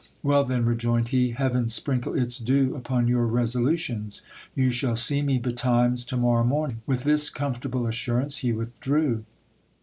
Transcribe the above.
Well, then, rejoined he, heaven sprinkle its dew upon your resolu tions ! You shall see me betimes to morrow morning. With this comfortable assurance, he withdrew.